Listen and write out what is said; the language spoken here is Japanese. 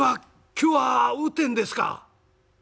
今日は雨天ですか？」。